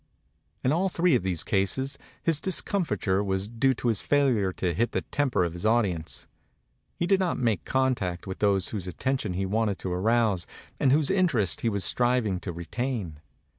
In all three of these cases his discomfiture was due to his failure to hit the temper of his audi ence. He did not make contact with those whose attention he wanted to arouse and whose interest he was striving to retain.